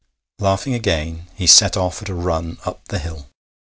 Laughing again, he set off at a run up the hill.